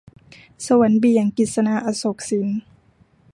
สวรรค์เบี่ยง - กฤษณา อโศกสิน